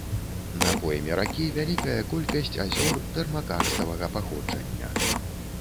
На пойме ракі вялікая колькасць азёр тэрмакарставага паходжання.